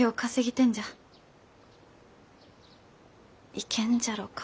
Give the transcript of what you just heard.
いけんじゃろうか。